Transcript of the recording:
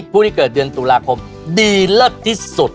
ผู้ที่เกิดเดือนตุลาคมดีเลิศที่สุด